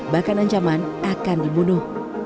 bahkan ancaman akan dibunuh